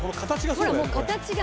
ほらもう形が。